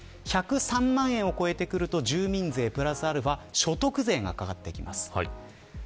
１０３万円を超えると住民税＋アルファ所得税がかかります。